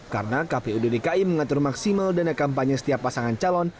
karena kpu dki mengatur maksimal dana kampanye setiap pasangan calon